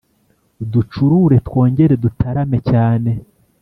Ducurure twongere dutarame cyane